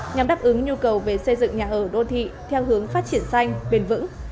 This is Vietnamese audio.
nhằm đáp ứng nhu cầu về xây dựng nhà ở đô thị theo hướng phát triển xanh bền vững